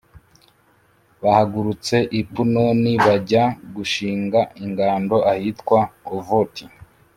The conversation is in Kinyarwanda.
bahagurutse i punoni bajya gushinga ingando ahitwa ovoti.